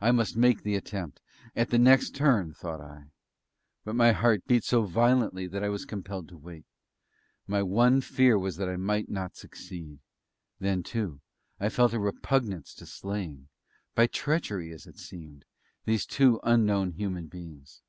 I must make the attempt at the next turn, thought I. But my heart beat so violently that I was compelled to wait. My one fear was that I might not succeed; then, too, I felt a repugnance to slaying by treachery as it seemed these two unknown human beings.